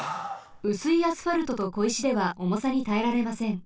うすいアスファルトとこいしではおもさにたえられません。